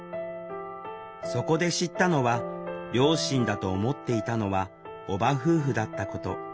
そこで知ったのは両親だと思っていたのは叔母夫婦だったこと。